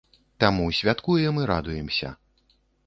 Таму святкуем і радуемся.